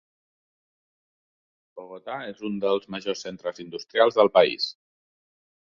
Bogotà és un dels majors centres industrials del país.